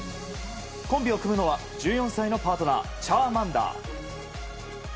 コンビを繰るのは１４歳のパートナーチャーマンダー。